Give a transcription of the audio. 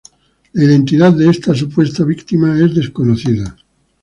La identidad de esta supuesta víctima es desconocida.